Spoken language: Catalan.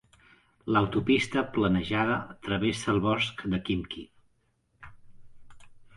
L'autopista planejada travessa el bosc de Khimki.